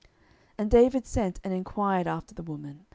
10:011:003 And David sent and enquired after the woman.